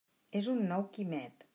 És un nou Quimet.